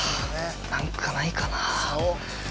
何かないかな。